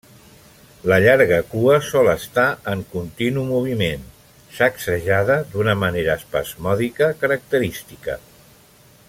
La llarga cua sol estar en continu moviment, sacsejada d'una manera espasmòdica característica.